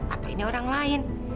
atau ini orang lain